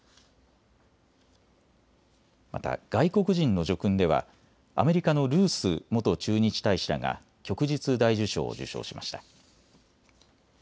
また外国人の叙勲ではアメリカのルース元駐日大使らが旭日大綬章を受章しました。